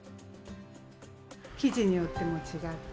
生地によっても違って。